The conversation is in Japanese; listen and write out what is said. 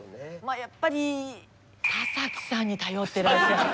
やっぱり田崎さんに頼ってらっしゃる。